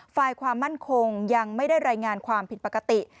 ฝ่ายความมั่นคงยังไม่ได้รายงานความผิดปกติ